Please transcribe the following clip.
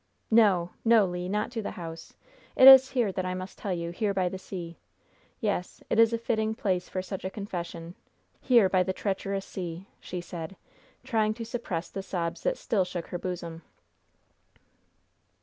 "No! no, Le! not to the house! It is here that I must tell you! here by the sea! Yes! it is a fitting place for such a confession! here by the treacherous sea!" she said, trying to suppress the sobs that still shook her bosom.